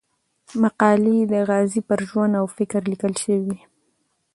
مقالې د غازي پر ژوند او فکر ليکل شوې وې.